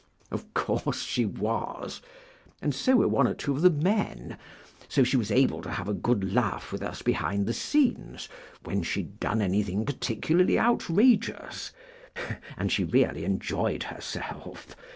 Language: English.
"Of course she was, and so were one or two of the men, so she was able to have a good laugh with us behind the scenes when she'd done anything particularly outrageous. And she really enjoyed herself.